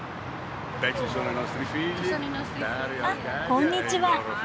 あっこんにちは。